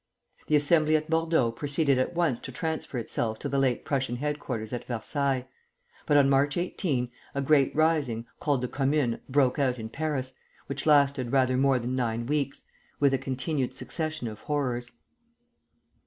The Assembly at Bordeaux proceeded at once to transfer itself to the late Prussian headquarters at Versailles; but on March 18 a great rising, called the Commune, broke out in Paris, which lasted rather more than nine weeks, with a continued succession of horrors.